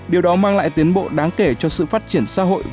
điều đó mang lại tiến bộ đáng kể cho sự phát triển xã hội